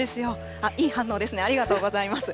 あっ、いい反応ですね、ありがとうございます。